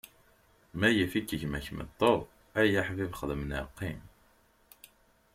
Ma yif-ik gma-k meṭṭu, ay aḥbib xdem neɣ qqim.